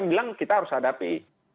bilang kita harus hadapi